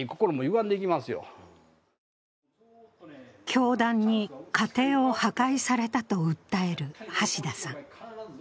教団に家庭を破壊されたと訴える橋田さん。